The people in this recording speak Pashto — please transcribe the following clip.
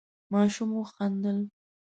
ماشوم وخندل.